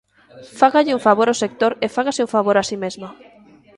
Fágalle un favor ao sector e fágase un favor a si mesma.